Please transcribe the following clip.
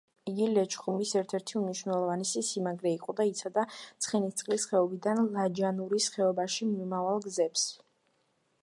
იგი ლეჩხუმის ერთ-ერთი უმნიშვნელოვანესი სიმაგრე იყო და იცავდა ცხენისწყლის ხეობიდან ლაჯანურის ხეობაში მიმავალ გზებს.